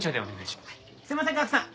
すいません賀来さん